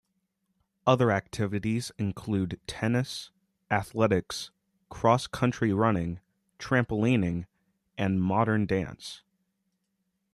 Other activities include tennis, athletics, cross-country running, trampolining and modern dance.